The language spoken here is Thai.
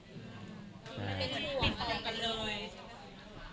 ติดต่อกันเลย